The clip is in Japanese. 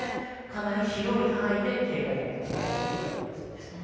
広い範囲で警戒が必要な台風と言えそうです。